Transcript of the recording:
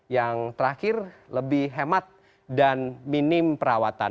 yang terakhir lebih hemat dan minim perawatan